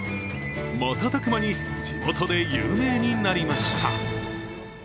瞬く間に地元で有名になりました。